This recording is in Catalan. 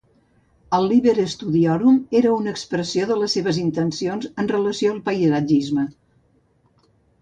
El "Liber Studiorum" era una expressió de les seves intencions en relació al paisatgisme.